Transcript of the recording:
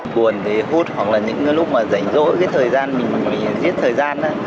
buồn thì hút hoặc là những lúc mà dành dỗi cái thời gian mình mình giết thời gian